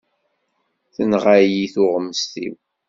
Tenɣa-yi tuɣmest-iw.